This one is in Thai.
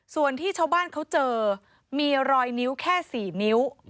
ส่วนที่ชาวบ้านเขาเจอมีรอยนิ้วแค่๔นิ้ว